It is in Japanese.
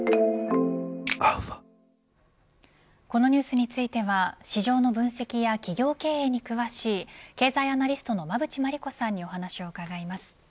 このニュースについては市場の分析や企業経営に詳しい経済アナリストの馬渕磨理子さんにお話を伺います。